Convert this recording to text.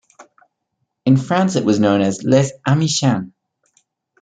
In France, it was known as Les Amichaines.